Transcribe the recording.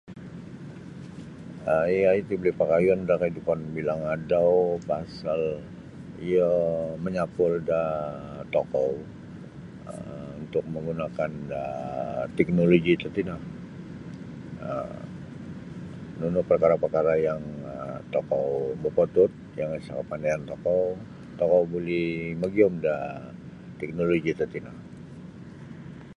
um i ai ti buli pakayun da kaidupan bilang adau pasal iyo manyapul da tokou um untuk manggunakan da teknoloji tatino um nunu parkara'-pakara' yang tokou mopotut yang isa kapandayan tokou tokou buli magiyum da teknoloji tatino.